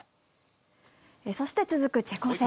そして続くチェコ戦。